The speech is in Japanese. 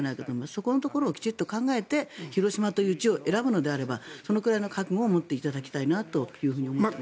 そこのところをきちんと考えて広島という地を選ぶのであればそのくらいの覚悟を持っていただきたいと思います。